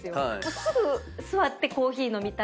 すぐ座ってコーヒー飲みたい。